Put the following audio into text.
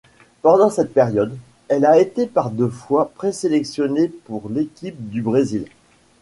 Pendant cette période, elle été par deux fois présélectionnée pour l'équipe du Brésil.